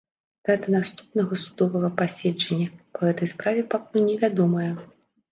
Дата наступнага судовага пасяджэння па гэтай справе пакуль невядомая.